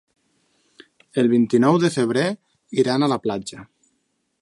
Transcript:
El vint-i-nou de febrer iran a la platja.